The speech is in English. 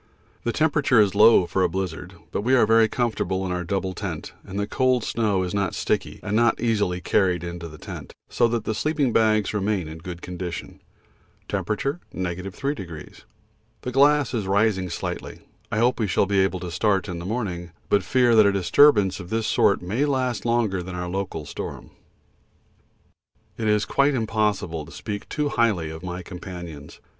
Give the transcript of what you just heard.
The temperature is low for a blizzard, but we are very comfortable in our double tent and the cold snow is not sticky and not easily carried into the tent, so that the sleeping bags remain in good condition. (T. 3°.) The glass is rising slightly. I hope we shall be able to start in the morning, but fear that a disturbance of this sort may last longer than our local storm. It is quite impossible to speak too highly of my companions.